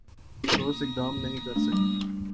ٹھوس اقدام نہیں کرسکی